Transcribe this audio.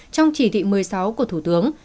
trong chỉ thị một mươi sáu của thủ tướng